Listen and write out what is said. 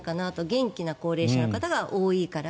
元気な高齢者の方が多いから。